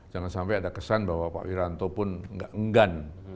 jangan sampai ada kesan bahwa pak wiranto pun nggak enggan